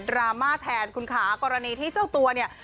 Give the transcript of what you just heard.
รามาแทนคุณขากรณีที่เจ้าตัวเนี่ย